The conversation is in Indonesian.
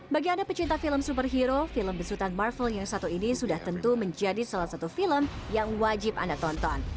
bagi anda pecinta film superhero film besutan marvel yang satu ini sudah tentu menjadi salah satu film yang wajib anda tonton